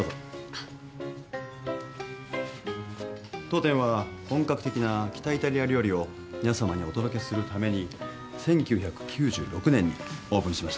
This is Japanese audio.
当店は本格的な北イタリア料理を皆さまにお届けするために１９９６年にオープンしました。